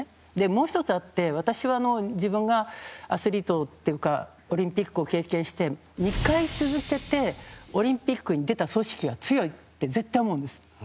もう１つあって私は自分がアスリートというかオリンピックを経験して２回続けてオリンピックに出た組織は強いって絶対思うんです。